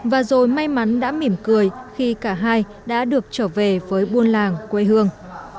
và rồi may mắn đã mỉm cười khi cả hai đã được trở về với buôn làng quê hương